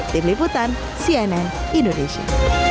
tim liputan cnn indonesia